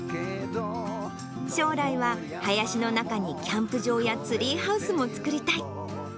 将来は林の中にキャンプ場やツリーハウスも作りたい。